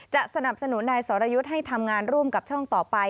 สนับสนุนนายสรยุทธ์ให้ทำงานร่วมกับช่องต่อไป